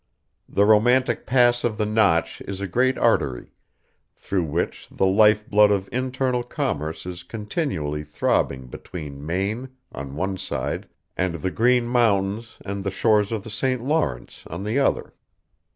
The romantic pass of the Notch is a great artery, through which the life blood of internal commerce is continually throbbing between Maine, on one side, and the Green Mountains and the shores of the St. Lawrence, on the other.